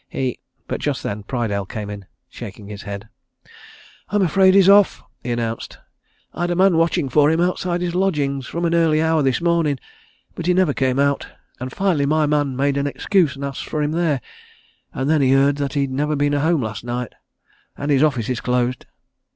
He " But just then Prydale came in, shaking his head. "I'm afraid he's off!" he announced. "I'd a man watching for him outside his lodgings from an early hour this morning, but he never came out, and finally my man made an excuse and asked for him there, and then he heard that he'd never been home last night. And his office is closed."